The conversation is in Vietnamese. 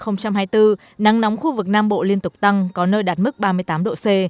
năm hai nghìn hai mươi bốn nắng nóng khu vực nam bộ liên tục tăng có nơi đạt mức ba mươi tám độ c